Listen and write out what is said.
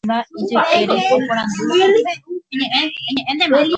Oguereko pokõi ary.